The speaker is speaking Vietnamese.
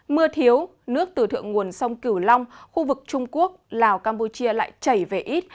mưa thiếu nước từ thượng nguồn sông cửu long khu vực trung quốc lào campuchia lại chảy về ít